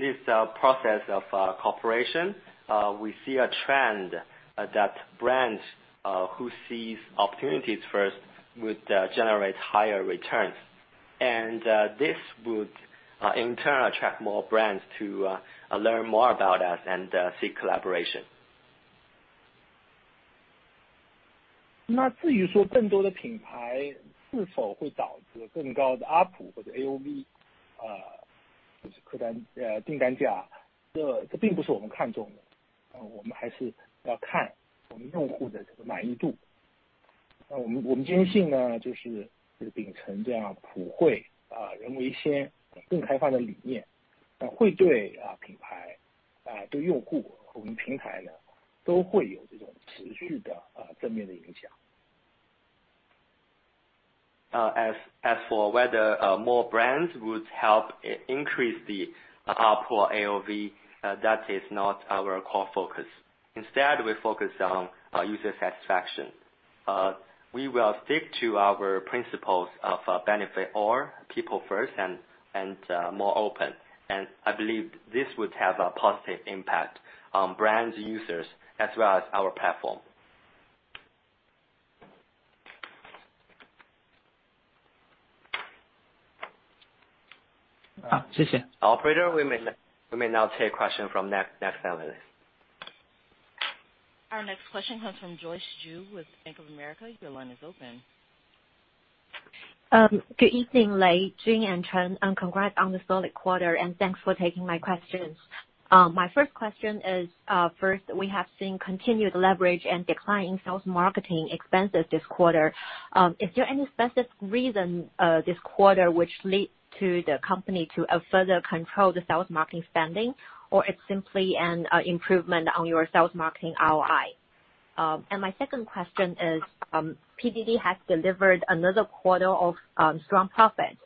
this process of cooperation, we see a trend that brands who sees opportunities first would generate higher returns. This would in turn attract more brands to learn more about us and seek collaboration. As for whether more brands would help increase the ARPU or AOV, that is not our core focus. Instead, we focus on user satisfaction. We will stick to our principles of benefit all, people first, and more open. I believe this would have a positive impact on brands, users as well as our platform. 谢谢。Operator, we may now take question from next analyst. Our next question comes from Joyce Ju with Bank of America. Your line is open. Good evening, Lei, Jun, and Chen, and congrats on the solid quarter and thanks for taking my questions. My first question is, first we have seen continued leverage and decline in sales and marketing expenses this quarter. Is there any specific reason, this quarter which lead to the company to further control the sales and marketing spending, or it's simply an improvement on your sales and marketing ROI? And my second question is, PDD has delivered another quarter of strong profits.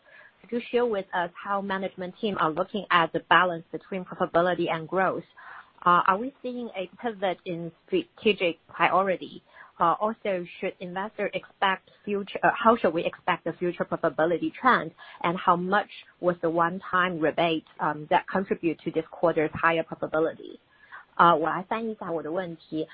Could you share with us how management team are looking at the balance between profitability and growth? Are we seeing a pivot in strategic priority? Also, how should we expect the future profitability trends? And how much was the one-time rebate that contribute to this quarter's higher profitability?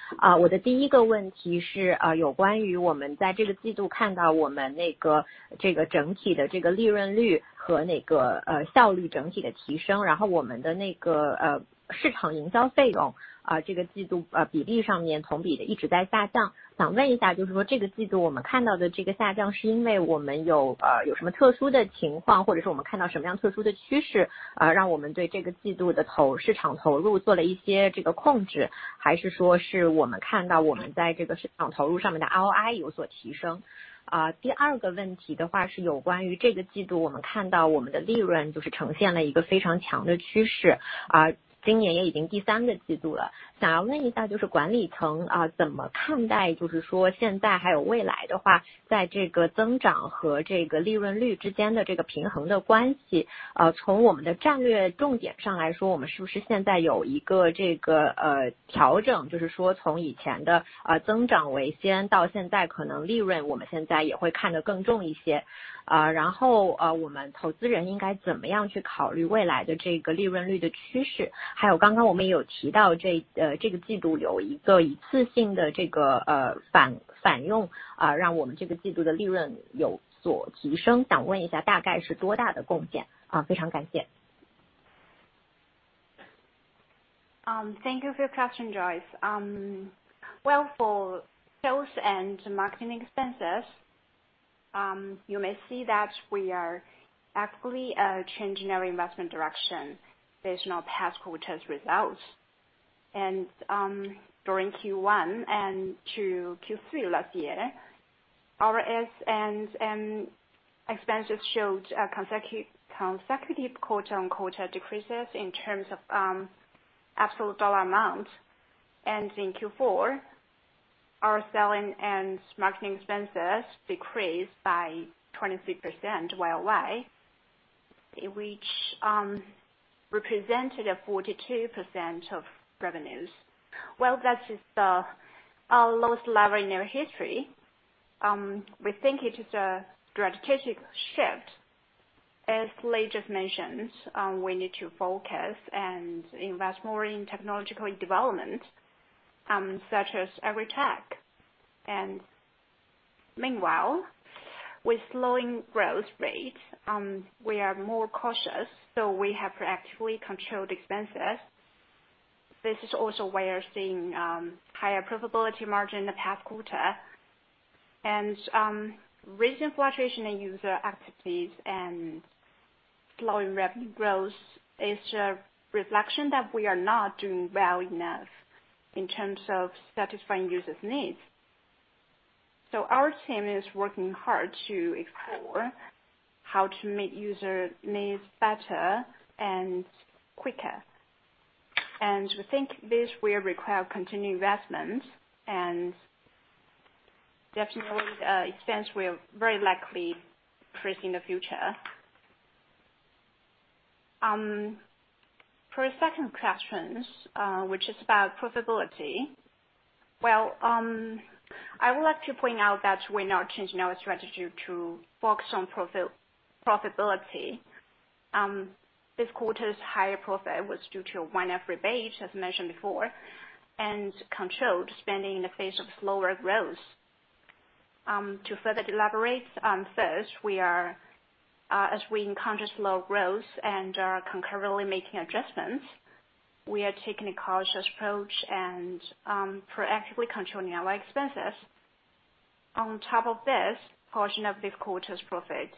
Thank you for your question, Joyce. Well, for sales and marketing expenses, you may see that we are actively changing our investment direction based on past quarters results. During Q1 to Q3 last year, our S&M expenses showed consecutive quarter-on-quarter decreases in terms of absolute RMB amount. In Q4, our selling and marketing expenses decreased by 23% YOY, which represented a 42% of revenues. Well, that is our lowest level in our history. We think it is a strategic shift. As Lei just mentioned, we need to focus and invest more in technological development, such as AI tech. Meanwhile, with slowing growth rate, we are more cautious, so we have proactively controlled expenses. This is also why you're seeing higher profitability margin in the past quarter. Recent fluctuation in user activities and slowing revenue growth is a reflection that we are not doing well enough in terms of satisfying users' needs. Our team is working hard to explore how to meet user needs better and quicker. We think this will require continued investment and definitely, expense will very likely increase in the future. For the second question, which is about profitability, I would like to point out that we're not changing our strategy to focus on profitability. This quarter's higher profit was due to one-off rebate, as mentioned before, and controlled spending in the face of slower growth. To further elaborate on this, we are, as we encounter slow growth and are concurrently making adjustments, taking a cautious approach and proactively controlling our expenses. On top of this, portion of this quarter's profit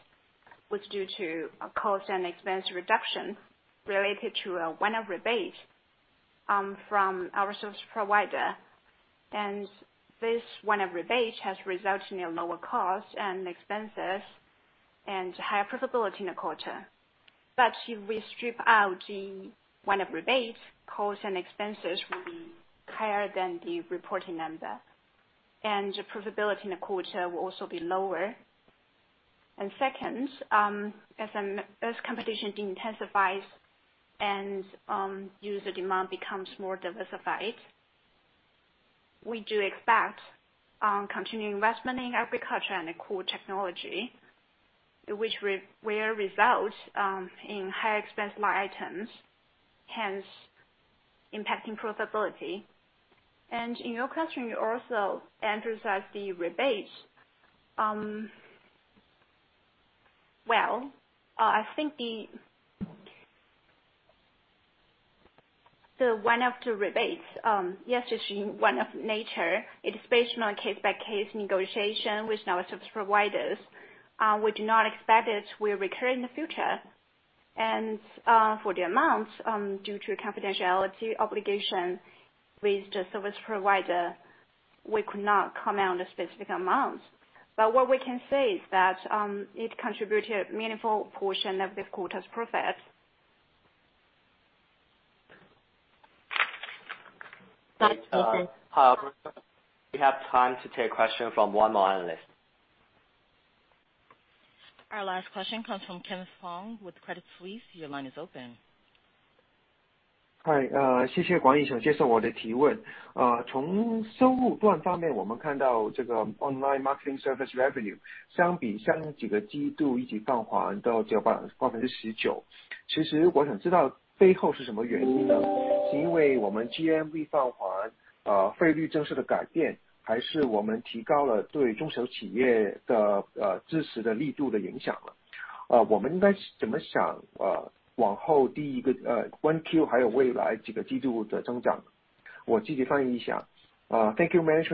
was due to a cost and expense reduction related to a one-off rebate from our service provider. This one-off rebate has resulted in a lower cost and expenses and higher profitability in the quarter. If we strip out the one-off rebate, costs and expenses will be higher than the reporting number, and profitability in the quarter will also be lower. Second, as competition intensifies and user demand becomes more diversified, we do expect continuing investment in agriculture and the core technology, which will result in higher expense line items, hence impacting profitability. In your question, you also emphasized the rebates. I think the one-off rebates, yes, it's one-off nature. It is based on a case-by-case negotiation with our service providers. We do not expect it will recur in the future. For the amounts, due to confidentiality obligation with the service provider, we could not comment on the specific amounts. What we can say is that it contributed a meaningful portion of this quarter's profits. Thanks. We have time to take question from one more analyst. Our last question comes from Kenneth Fong with Credit Suisse. Your line is open. Hi. Thank you, management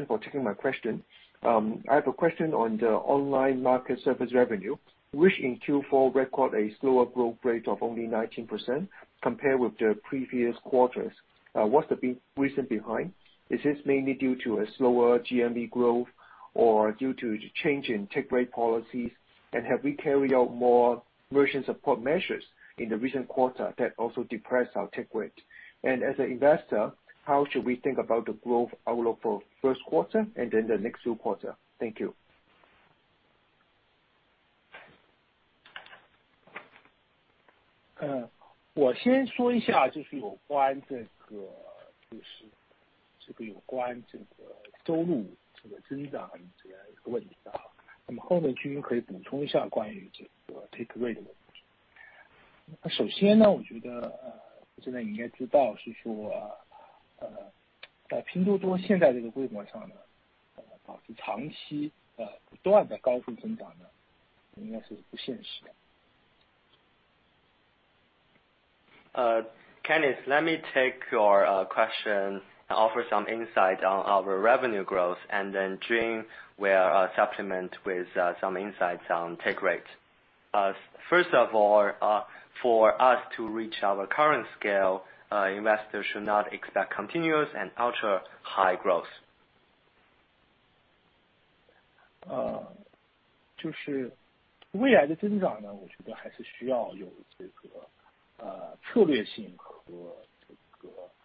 for taking my question. I have a question on the online market service revenue, which in Q4 recorded a slower growth rate of only 19% compared with the previous quarters. What's the reason behind? Is this mainly due to a slower GMV growth or due to change in take rate policies? And have we carried out more merchant support measures in the recent quarter that also depress our take rate? And as an investor, how should we think about the growth outlook for first quarter and then the next two quarters? Thank you. Kenneth, let me take your question and offer some insight on our revenue growth, and then June will supplement with some insights on take rate. First of all, for us to reach our current scale, investors should not expect continuous and ultra-high growth. 未来的增长还是需要有策略性和结构性的进化。因此从去年开始，我们就在调整部分的发展策略，更加地关注农业和核心科技，追求一种长期的高质量的发展。这难免会对增速有所影响。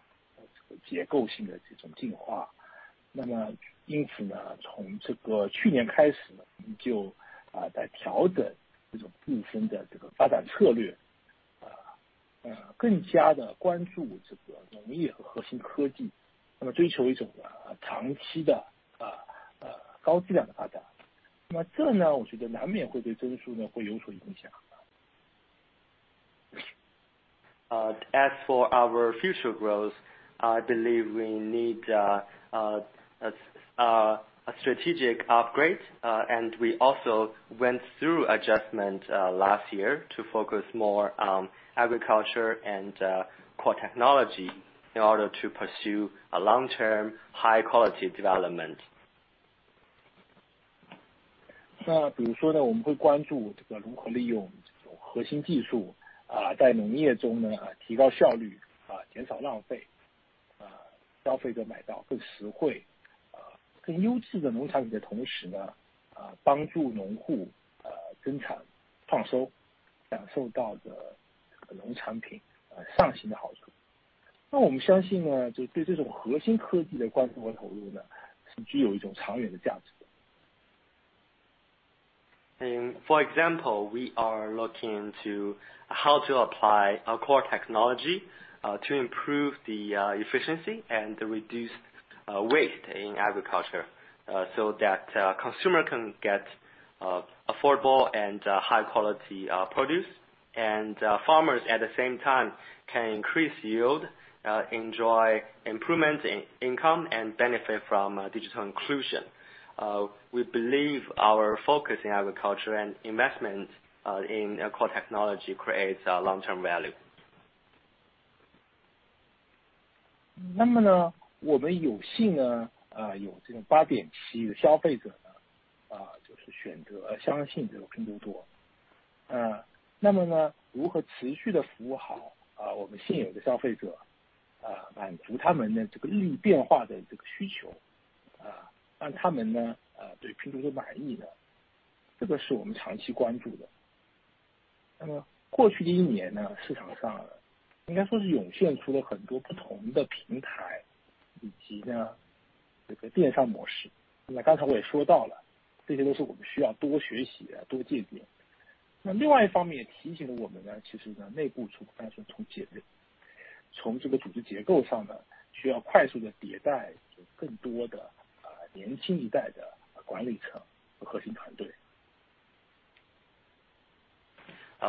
As for our future growth, I believe we need a strategic upgrade, and we also went through adjustment last year to focus more on agriculture and core technology in order to pursue a long-term high quality development. 比如说，我们会关注这个如何利用这种核心技术在农业中提高效率、减少浪费，消费者买到更实惠、更优质的农产品的同时，帮助农户增产创收，享受到农产品上行的好处。那我们相信，对这种核心科技的关注和投入是具有一种长远的价值的。For example, we are looking to how to apply our core technology to improve the efficiency and reduce waste in agriculture so that consumer can get affordable and high quality produce, and farmers at the same time can increase yield, enjoy improvements in income, and benefit from digital inclusion. We believe our focus in agriculture and investment in core technology creates long-term value.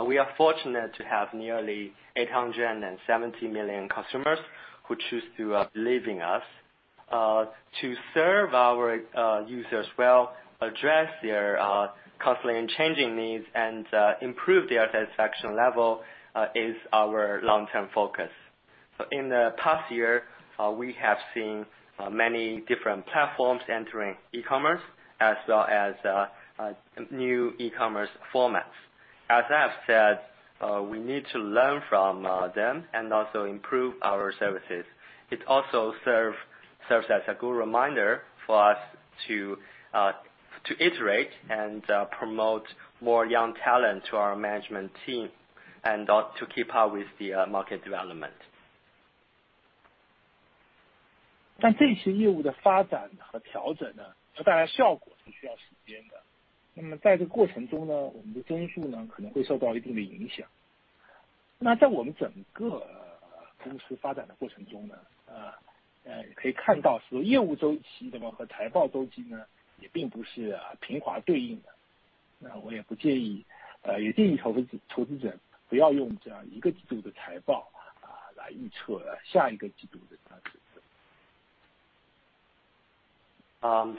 We are fortunate to have nearly 870 million customers who choose to believe in us. To serve our users well, address their constantly and changing needs, and improve their satisfaction level is our long-term focus. In the past year, we have seen many different platforms entering e-commerce as well as new e-commerce formats. As I have said, we need to learn from them and also improve our services. It also serves as a good reminder for us to iterate and promote more young talent to our management team and to keep up with the market development. 但这些业务的发展和调整呢，要带来效果是需要时间的。那么在这个过程中呢，我们的增速呢可能会受到一定的影响。那在我们整个公司发展的过程中呢，也可以看到说业务周期和财报周期呢也并不是平滑对应的。那我也建议投资者不要用这样一个季度的财报啊来预测下一个季度的增长速度。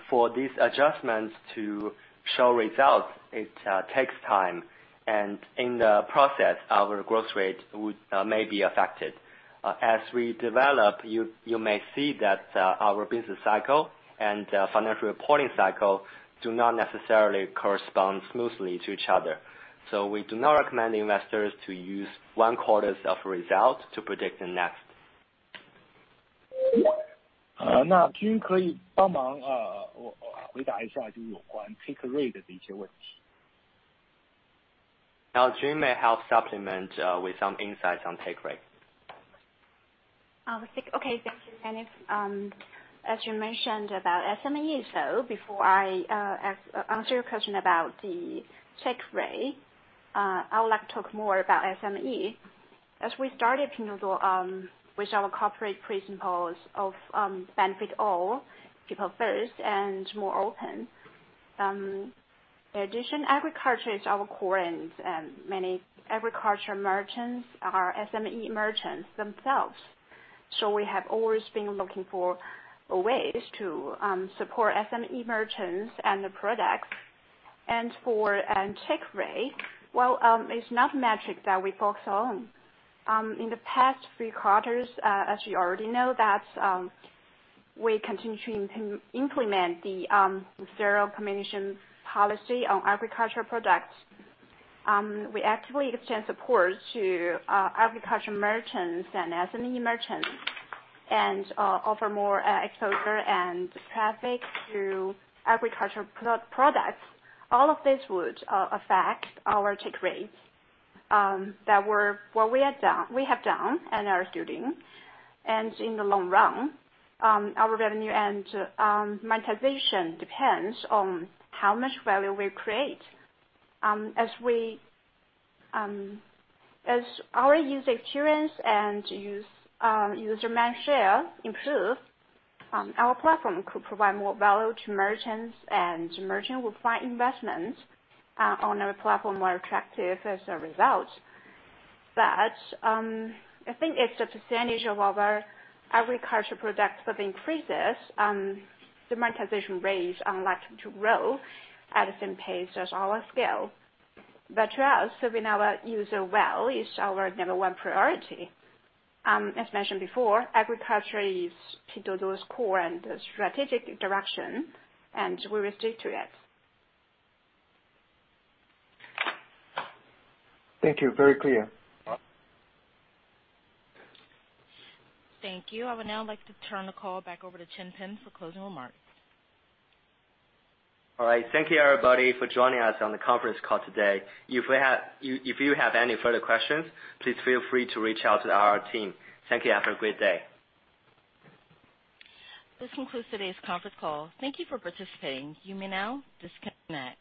For these adjustments to show results, it takes time. In the process, our growth rate may be affected. As we develop, you may see that our business cycle and financial reporting cycle do not necessarily correspond smoothly to each other. We do not recommend investors to use one quarter of results to predict the next. 那June可以帮忙回答一下就是有关take rate的一些问题。Now Jun Liu may help supplement with some insights on take rate. Okay. Thank you Kenneth. As you mentioned about SME. Before I answer your question about the take rate, I would like to talk more about SME. As we started Pinduoduo with our corporate principles of benefit all, people first and more open. In addition, agriculture is our core and many agriculture merchants are SME merchants themselves. We have always been looking for ways to support SME merchants and the products. For take rate, well, it's not metric that we focus on. In the past 3 quarters, as you already know, that we continue to implement the zero commission policy on agricultural products. We actively extend support to agriculture merchants and SME merchants and offer more exposure and traffic to agricultural products. All of this would affect our take rates, that's what we have done and are doing. In the long run, our revenue and monetization depends on how much value we create. As we, as our user experience and user mind share improve, our platform could provide more value to merchants, and merchants will find investments on our platform more attractive as a result. I think as the percentage of our agriculture products have increases, the monetization rates are likely to grow at the same pace as our scale. To us, serving our user well is our number one priority. As mentioned before, agriculture is Pinduoduo's core and strategic direction and we will stick to it. Thank you. Very clear. Thank you. I would now like to turn the call back over to Chen Pan for closing remarks. All right. Thank you everybody for joining us on the conference call today. If you have any further questions, please feel free to reach out to our team. Thank you. Have a great day. This concludes today's conference call. Thank you for participating. You may now disconnect.